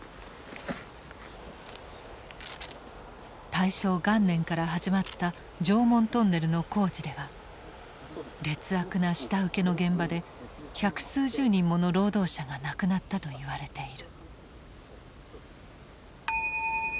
大正元年から始まった常紋トンネルの工事では劣悪な下請けの現場で百数十人もの労働者が亡くなったといわれている。